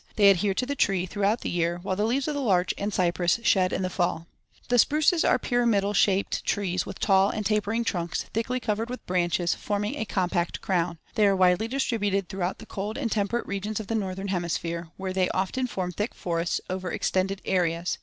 They adhere to the tree throughout the year, while the leaves of the larch and cypress shed in the fall. The spruces are pyramidal shaped trees, with tall and tapering trunks, thickly covered with branches, forming a compact crown. They are widely distributed throughout the cold and temperate regions of the northern hemisphere, where they often form thick forests over extended areas.